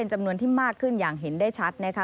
จำนวนที่มากขึ้นอย่างเห็นได้ชัดนะคะ